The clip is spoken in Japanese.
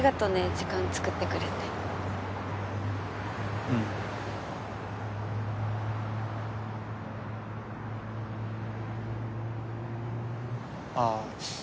時間作ってくれてうんあぁ